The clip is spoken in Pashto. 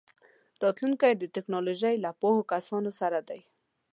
راتلونکی د ټیکنالوژۍ له پوهو کسانو سره دی.